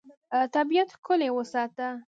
طبیعت ښکلی وساته.